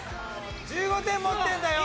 １５点持ってんだよ！